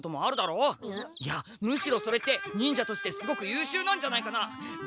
いやむしろそれって忍者としてすごくゆうしゅうなんじゃないかな。